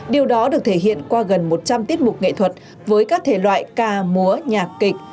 điều đó được thể hiện qua gần một trăm linh tiết mục nghệ thuật với các thể loại ca múa nhạc kịch